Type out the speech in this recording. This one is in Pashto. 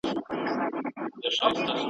د خیر تمه به نه کوی له تورو خړو وریځو `